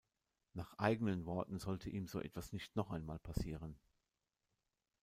Nach eigenen Worten sollte ihm so etwas nicht noch einmal passieren.